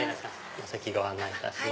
お席ご案内いたします。